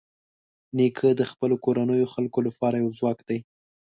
نیکه د خپلو کورنیو خلکو لپاره یو ځواک دی.